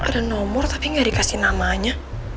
ada nomor tapi gak dikasih namanya